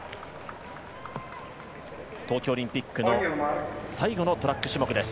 東京オリンピックの最後のトラック種目です。